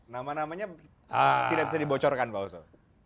nama namanya tidak bisa dibocorkan pak oso